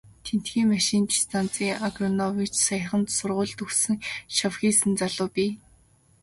Тэндхийн машинт станцын агрономич, саяхан сургууль төгссөн шавхийсэн залуу бий.